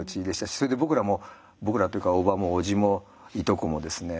それで僕らも僕らっていうか叔母も叔父もいとこもですね